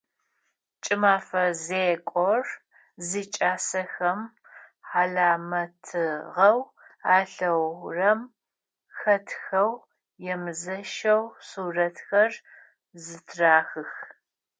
Кӏымэфэ зекӏор зикӏасэхэм хьалэмэтыгъэу алъэгъурэм хэтхэу емызэщэу сурэтхэр зытрахых.